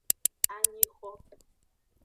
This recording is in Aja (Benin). Anyixo.